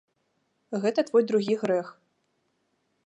Гэта твой другі грэх.